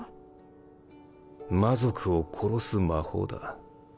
魔族を殺す魔法だ。